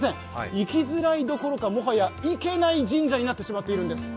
行きづらいどころかもはや行けない神社となってしまってるんです。